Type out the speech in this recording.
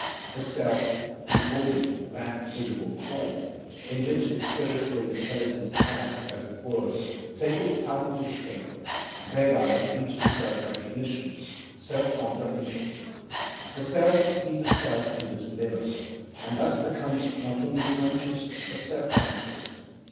The Self, beholding that visible form, in which its spiritual intelligence has, as it were, taken palpable shape, thereby reaches self recognition, self comprehension. The Self sees itself in this mirror, and thus becomes not only conscious, but self conscious.